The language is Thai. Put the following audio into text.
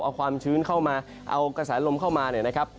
เอาความชื้นเข้ามาเอากระแสลมเข้ามาเนี่ยนะครับ